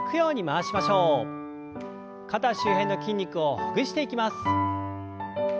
肩周辺の筋肉をほぐしていきます。